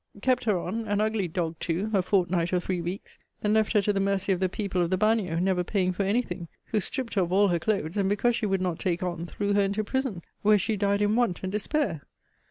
Kept her on (an ugly dog, too!) a fortnight or three weeks, then left her to the mercy of the people of the bagnio, (never paying for any thing,) who stript her of all her clothes, and because she would not take on, threw her into prison; where she died in want and despair!'